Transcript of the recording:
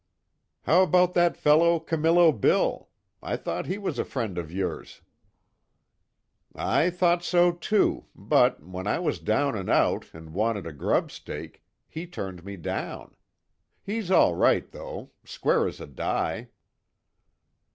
"How about that fellow, Camillo Bill? I thought he was a friend of yours." "I thought so too, but when I was down and out, and wanted a grub stake, he turned me down. He's all right though square as a die."